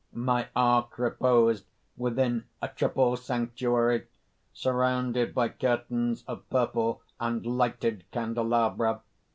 "My ark reposed within a triple sanctuary, surrounded by curtains of purple and lighted candelabra.